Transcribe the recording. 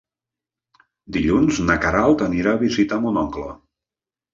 Dilluns na Queralt anirà a visitar mon oncle.